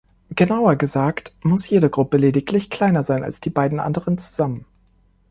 Genauer gesagt, muss jede Gruppe lediglich kleiner sein als die beiden anderen zusammen.